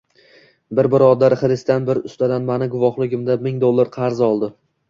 Bir birodar xristian bir ustadan mani guvohligimda ming dollar qarz oldi.